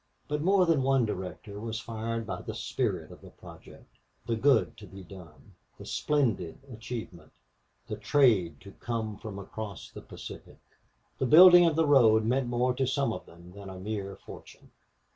But more than one director was fired by the spirit of the project the good to be done the splendid achievement the trade to come from across the Pacific. The building of the road meant more to some of them than a mere fortune.